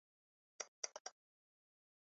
驾驶室大部份覆盖上皮革。